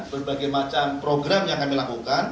berbagai macam program yang kami lakukan